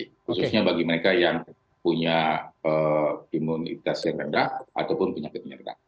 khususnya bagi mereka yang punya imunitas yang rendah ataupun penyakit penyerga